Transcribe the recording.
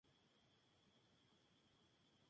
Salió con el presentador de televisión Richard Wilkins.